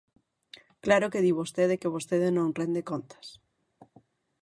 Claro que di vostede que vostede non rende contas.